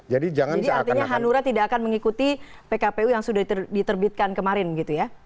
jadi artinya hanura tidak akan mengikuti pkpu yang sudah diterbitkan kemarin gitu ya